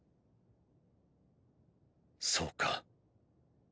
そうか。